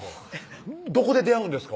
どこで出会うんですか？